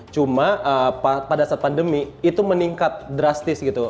cuma pada saat pandemi itu meningkat drastis gitu